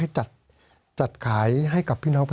สวัสดีครับทุกคน